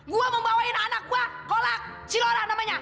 gue mau bawain anak gue kolak si lorak namanya